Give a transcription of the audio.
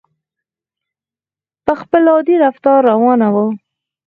په خپل عادي رفتار روانه وه.